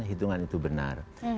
hitungan itu benar